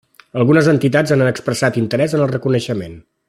Algunes entitats han expressat interès en el reconeixement.